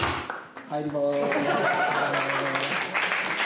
帰ります。